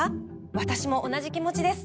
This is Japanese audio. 私も同じ気持ちです。